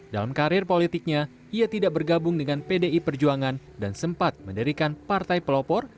dalam karir politiknya ia tidak bergabung dengan pdi perjuangan dan sempat mendirikan partai pelopor